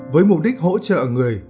với mục đích hỗ trợ người